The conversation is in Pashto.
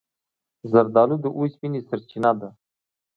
زردالو د اوسپنې سرچینه هم ده.